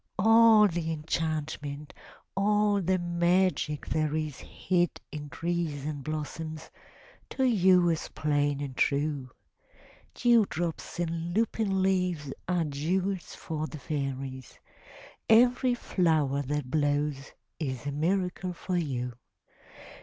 All the enchantment, all the magic there is Hid in trees and blossoms, to you is plain and true. Dewdrops in lupin leaves are jewels for the fairies; Every flower that blows is a miracle for you.